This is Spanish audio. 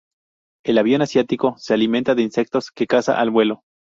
El avión asiático se alimenta de insectos que caza al vuelo.